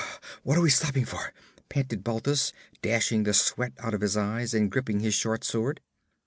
'What are we stopping for?' panted Balthus, dashing the sweat out of his eyes and gripping his short sword.